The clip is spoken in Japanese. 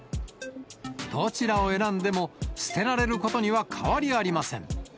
どちらを選んでも、捨てられることには変わりありません。